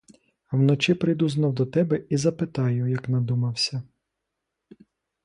Вночі прийду знов до тебе і запитаю, як надумався.